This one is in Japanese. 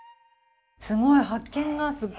すごい発見がすっごい